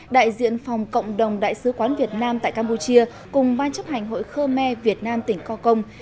đại diện phòng cộng đồng đại sứ quán việt nam tại campuchia cùng ban chấp hành hội khơ me việt nam tỉnh co công